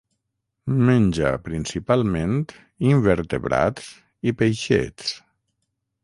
Menja principalment invertebrats i peixets.